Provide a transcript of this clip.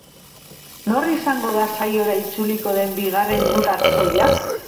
Nor izango da saiora itzuliko den bigarren gutar ohia?